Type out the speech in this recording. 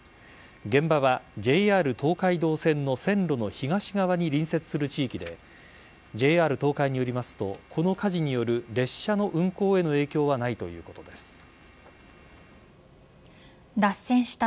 現場は、ＪＲ東海道線の線路の東側に隣接する地域でＪＲ東海によりますとこの火事による列車の運行への影響はないということです。